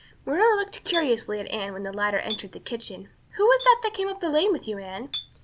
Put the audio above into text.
Marilla looked curiously at Anne when the latter entered the kitchen. "Who was that came up the lane with you, Anne?"